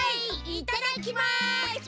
いただきます！